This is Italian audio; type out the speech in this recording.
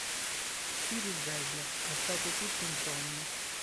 Si risveglia: è stato tutto un sogno.